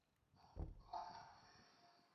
狠狠撞上红砖墙